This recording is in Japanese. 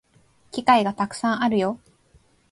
機会がたくさんあるよ